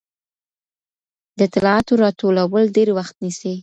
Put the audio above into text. د اطلاعاتو راټولول ډېر وخت نیسي.